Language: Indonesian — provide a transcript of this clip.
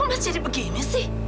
kok mas jadi begini sih